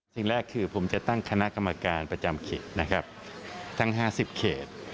สิ่งแรกคือผมจะตั้งคณะกรรมการประจำเขตนะครับทั้ง๕๐เขต